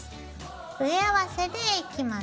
上合わせでいきます。